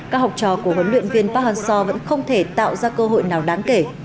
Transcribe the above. các học trò của huấn luyện viên park hang seo vẫn không thể tạo ra cơ hội nào đáng kể